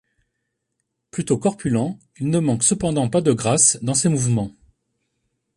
Plutôt corpulent, il ne manque cependant pas de grâce dans ses mouvements.